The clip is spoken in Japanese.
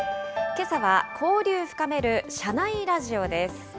けさは交流深める社内ラジオです。